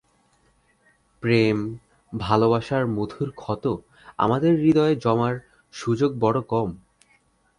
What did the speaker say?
প্রেম, ভালোবাসার মধুর ক্ষত আমাদের হৃদয়ে জমার সুযোগ বড় কম।